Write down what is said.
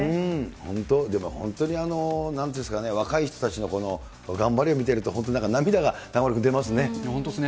本当、でも本当になんていうんですかね、若い人たちの頑張りを見てると、本当ですね。